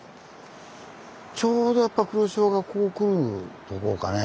ちょうどやっぱり黒潮がこう来るところかね。